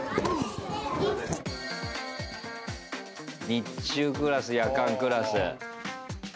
日中クラス、夜間クラス。